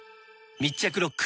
密着ロック！